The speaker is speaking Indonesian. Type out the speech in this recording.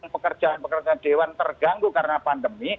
pekerjaan pekerjaan dewan terganggu karena pandemi